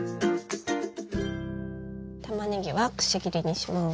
たまねぎはくし切りにします。